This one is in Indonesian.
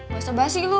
gak usah bahasin dulu